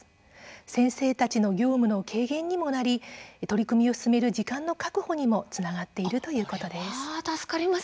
先生たちの業務の軽減にもなり取り組みを進める時間の確保にもつながっているということです。